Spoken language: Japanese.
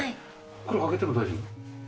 これ開けても大丈夫？